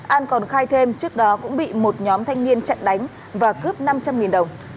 an còn khai thêm trước đó cũng bị một nhóm thanh niên chặn đánh và cướp năm trăm linh đồng